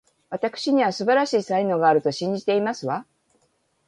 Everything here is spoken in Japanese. わたくしには、素晴らしい才能があると信じていますわ